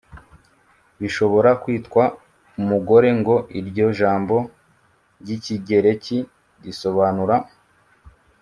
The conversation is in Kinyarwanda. bishobora kwitwa umugore ngo iryo jambo ry’ikigereki risobanura